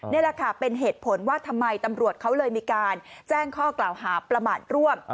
นี่แหละค่ะเป็นเหตุผลว่าทำไมตำรวจเขาเลยมีการแจ้งข้อกล่าวหาประมาทร่วม